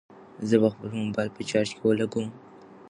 زه به خپل موبایل په چارجر کې ولګوم.